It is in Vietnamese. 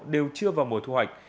đều chưa vào mùa thu hoạch